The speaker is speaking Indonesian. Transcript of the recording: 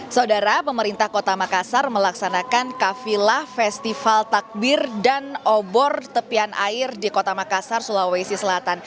saudara pemerintah kota makassar melaksanakan kafilah festival takbir dan obor tepian air di kota makassar sulawesi selatan